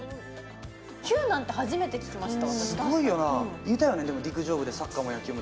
９なんて初めて聞きました